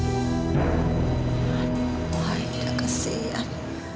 aduh aida kasihan